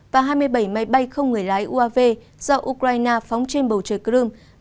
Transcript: và hai mươi bảy máy bay không người lái uav do ukraine phóng trên bầu trời crum